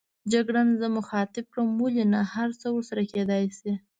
جګړن زه مخاطب کړم: ولې نه، هرڅه ورسره کېدای شي.